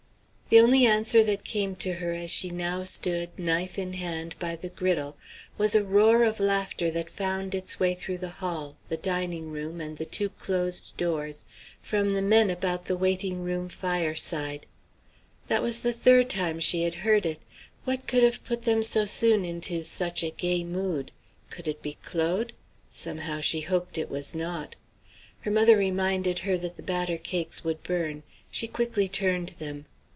The only answer that came to her as she now stood, knife in hand, by the griddle, was a roar of laughter that found its way through the hall, the dining room, and two closed doors, from the men about the waiting room fireside. That was the third time she had heard it. What could have put them so soon into such gay mood? Could it be Claude? Somehow she hoped it was not. Her mother reminded her that the batter cakes would burn. She quickly turned them.